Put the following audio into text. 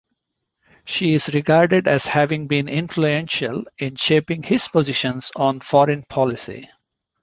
She is regarded as having been "influential" in shaping his positions on foreign policy.